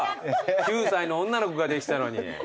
９歳の女の子ができたのに。